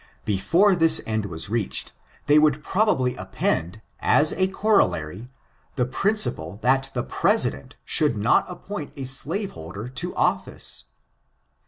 Before this end was reached, they would probably append, as a corollary, the principle that the President should not appoint a slaveholder to office.